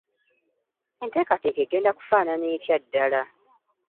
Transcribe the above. Enteekateeka egenda kufaanana etya ddala?